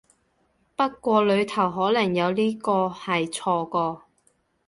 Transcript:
不過裡頭可能有呢個係錯個